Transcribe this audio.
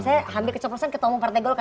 saya hampir kecepatan ketua umum partai golkar